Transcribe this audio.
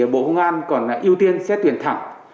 bộ ngoan còn ưu tiên xét tuyển thẳng